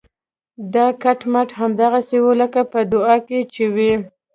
دا کټ مټ هماغسې وي لکه په دعا کې چې وي.